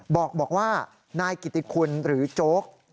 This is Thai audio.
บอกว่านายกิติคุณหรือโจ๊ก